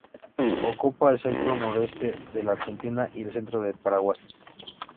Ocupa el centro-noreste de la Argentina y el centro del Paraguay.